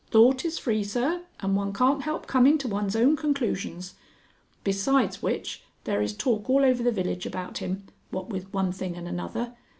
Thought is free, sir, and one can't help coming to one's own conclusions. Besides which, there is talk all over the village about him what with one thing and another.